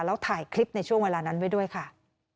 แล้วถ่ายคลิปในช่วงเวลานั้นไว้ด้วยค่ะ